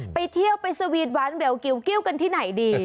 ไปเที่ยวไปสวีทวันแบบกิวกันที่ไหนดี